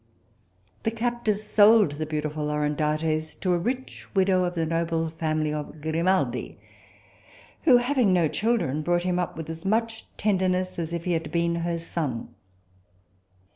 The captors sold the beautiful Orondates to a rich widow of the noble family of Grimaldi, who having no children, brought him up with as much tenderness as if he had been her son.